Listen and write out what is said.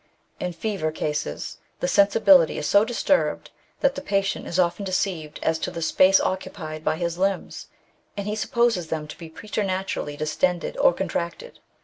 In fever cases the sensibility is so disturbed that the patient is often deceived as to the space occupied by his limbs, and he supposes them to be pretematurally distended or contracted.